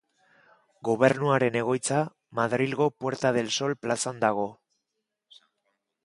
Gobernuaren egoitza Madrilgo Puerta del Sol plazan dago.